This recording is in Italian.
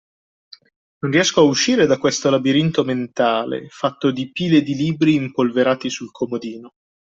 Non riesco a uscire da questo labirinto mentale, fatto di pile di libri impolverati sul comodino